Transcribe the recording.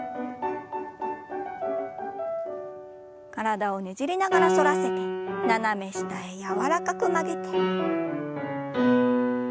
体をねじりながら反らせて斜め下へ柔らかく曲げて。